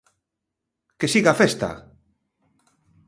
Que siga a festa!